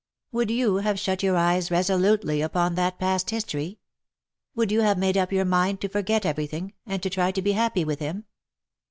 Would you have shut your eyes resolutely upon that past history ? Would you have made up your mind to forget everything, and to try to be happy with him